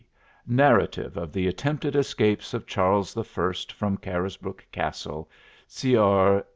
'Narrative of the Attempted Escapes of Charles the First from Carisbrooke Castle'; cr.